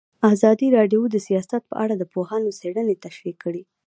ازادي راډیو د سیاست په اړه د پوهانو څېړنې تشریح کړې.